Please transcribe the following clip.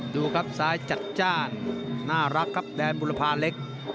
ดูครับซ้ายจัดจ้านน่ารักครับแดนบุรพาเล็ก